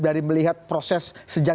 dari melihat proses sejak